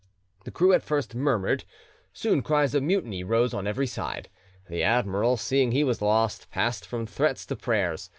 The crew at first murmured; soon cries of mutiny rose on every side. The admiral, seeing he was lost, passed from threats to prayers.